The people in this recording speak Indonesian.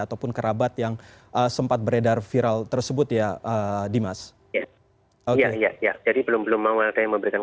ataupun kerabat yang sempat beredar viral tersebut ya dimas ya ya jadi belum mau memberikan